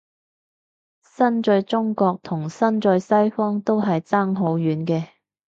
身在中國同身在西方都係爭好遠嘅